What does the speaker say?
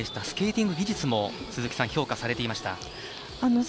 スケーティング技術も評価されていました。